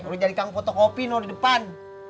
udah jadi kakak potok opini di depan